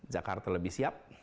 jakarta lebih siap